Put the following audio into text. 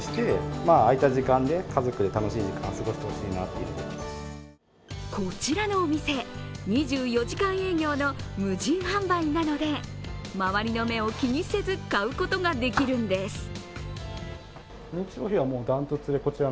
オーナーさんによるとこちらのお店、２４時間営業の無人販売なので周りの目を気にせず買うことができるんです。